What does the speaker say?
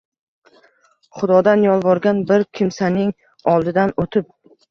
Xudodan yolvorgan bir kimsasining oldidan o'tib